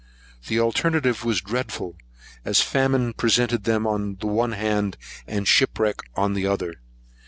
The alternative was dreadful, as famine presented them on the one hand, and shipwreck on the other.